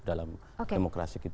dalam demokrasi kita